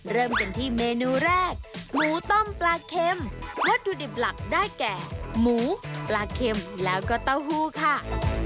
เริ่มกันที่เมนูแรกหมูต้มปลาเค็มวัตถุดิบหลักได้แก่หมูปลาเค็มแล้วก็เต้าหู้ค่ะ